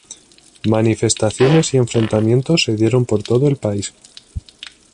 Manifestaciones y enfrentamientos se dieron por todo el país.